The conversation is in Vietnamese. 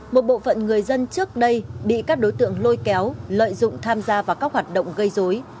một bộ phận người dân trước đây bị các đối tượng lôi kéo lợi dụng tham gia vào các hoạt động gây dối